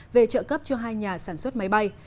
về trợ cấp cho hai nhà sản xuất máy bay